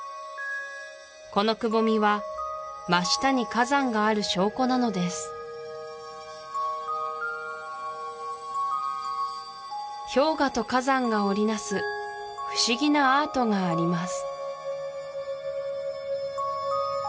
このくぼみは真下に火山がある証拠なのです氷河と火山が織り成す不思議なアートがあります